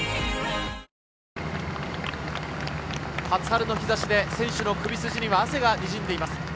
初春の日差しで選手の首筋には汗がにじんでいます。